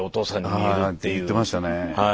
ああ言ってましたね。